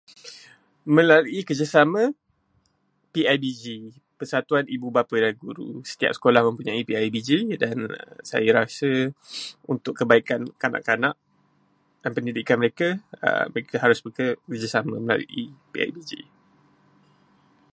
Melalui kerjasama PIBG, Persatuan Ibu Bapa dan Guru. Setiap sekolah mempunyai PIBG dan saya rasa untuk kebaikan kanak-kanak dan pendidikan mereka, mereka harus bekerjasama melalui PIBG.